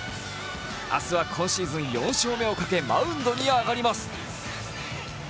明日は今シーズン４勝目をかけマウンドに上がります。